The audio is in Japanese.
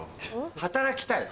働きたい？